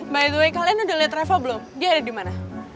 by the way kalian udah liat reva belum dia ada dimana